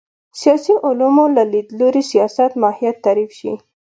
سیاسي علومو له لید لوري سیاست ماهیت تعریف شي